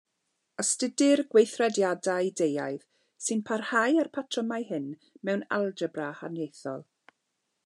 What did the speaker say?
Astudir gweithrediadau deuaidd sy'n parhau â'r patrymau hyn mewn algebra haniaethol.